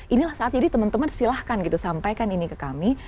inilah saat jadi teman teman silahkan gitu sampaikan ini ke kami